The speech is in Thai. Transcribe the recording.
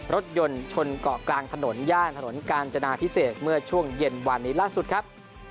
รถยนต์ชนเกาะกลางถนนย่านถนนกาญจนาพิเศษเมื่อช่วงเย็นวานนี้ล่าสุดครับ